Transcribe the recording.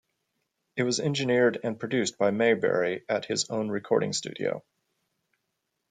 It was engineered and produced by Maybury at his own recording studio.